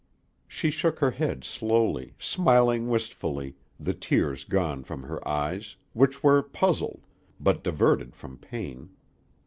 She shook her head slowly, smiling wistfully, the tears gone from her eyes, which were puzzled, but diverted from pain.